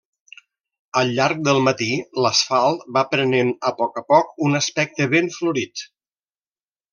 Al llarg del matí, l’asfalt va prenent a poc a poc un aspecte ben florit.